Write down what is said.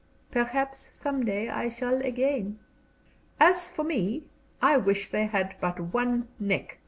Perhaps some day I shall again." "As for me, I wish they had but one neck!"